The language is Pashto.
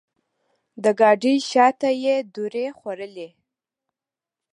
د ګاډۍ شاته یې دورې خوړلې.